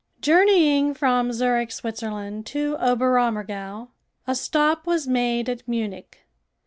Journeying from Zurich, Switzerland, to Oberammergau a stop was made at Munich.